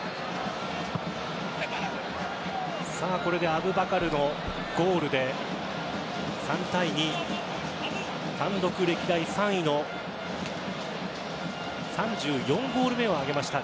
アブバカルのゴールで３対２と、単独歴代３位の３４ゴール目を挙げました。